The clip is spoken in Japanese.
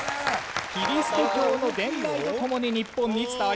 キリスト教の伝来とともに日本に伝わりました。